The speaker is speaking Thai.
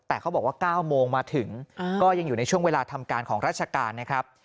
แต่เขาบอกว่า๙โมงมาถึงก็ยังอยู่ในช่วงเวลาทำการของราชการนะครับ